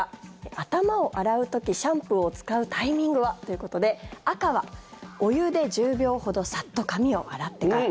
頭を洗う時、シャンプーを使うタイミングはということで赤は、お湯で１０秒ほどサッと髪を洗ってから。